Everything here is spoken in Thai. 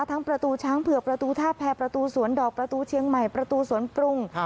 ทั้งประตูช้างเผือกประตูท่าแพรประตูสวนดอกประตูเชียงใหม่ประตูสวนปรุง